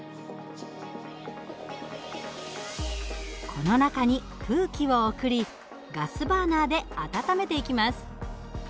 この中に空気を送りガスバーナーで温めていきます。